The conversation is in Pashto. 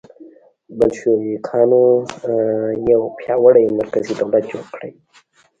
بلشویکانو یو پیاوړی مرکزي دولت جوړ کړی و.